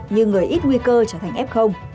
như người ít nguy cơ trở thành f